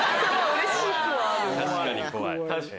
確かに怖い。